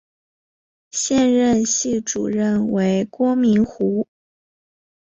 现任系主任为郭明湖。